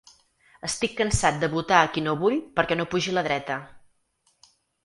Estic cansat de votar a qui no vull perquè no pugi la dreta.